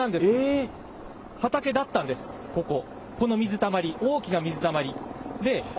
畑だったんです、ここ、この水たまり、大きな水たまり。